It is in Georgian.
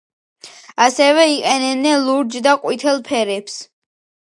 ასევე იყენებდნენ ლურჯ და ყვითელ ფერებს.